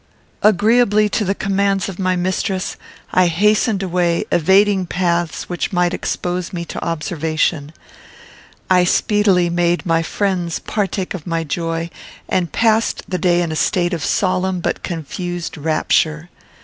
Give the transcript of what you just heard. Agreeably to the commands of my mistress, I hastened away, evading paths which might expose me to observation. I speedily made my friends partake of my joy, and passed the day in a state of solemn but confused rapture.